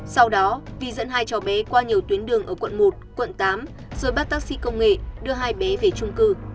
sau đó vi dẫn hai cháu bé qua nhiều tuyến đường ở quận một quận tám rồi bắt taxi công nghệ đưa hai bé về trung cư